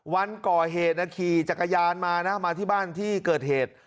วันหรือก่อเหตุนะครีจากกัยานมานะมาที่บ้านที่เกิดเหตุ